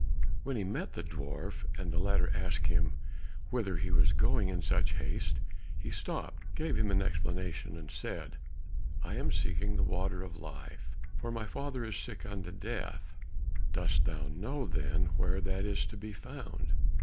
When he met the dwarf and the latter asked him whither he was going in such haste, he stopped, gave him an explanation, and said, "I am seeking the water of life, for my father is sick unto death." "Dost thou know, then, where that is to be found?"